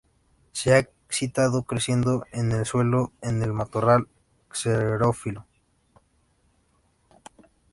Se ha citado creciendo en el suelo en el matorral xerófilo.